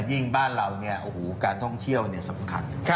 ยิ่งบ้านเราการท่องเที่ยวนี่สำคัญ